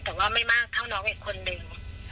แต่ว่าไม่มากเท่าน้องอีกคนนึง